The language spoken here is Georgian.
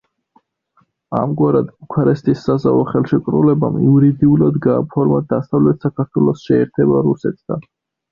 ამგვარად ბუქარესტის საზავო ხელშეკრულებამ იურიდიულად გააფორმა დასავლეთ საქართველოს შეერთება რუსეთთან.